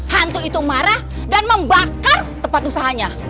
hantu itu marah dan membakar tempat usahanya